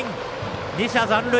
２者残塁！